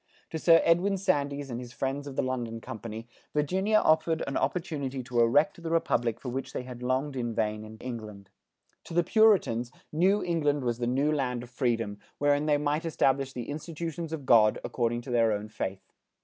To Sir Edwin Sandys and his friends of the London Company, Virginia offered an opportunity to erect the Republic for which they had longed in vain in England. To the Puritans, New England was the new land of freedom, wherein they might establish the institutions of God, according to their own faith.